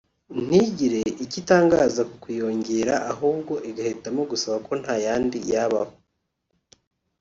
ntigire icyo itangaza ku kuyongera ahubwo igahitamo gusaba ko nta yandi yabaho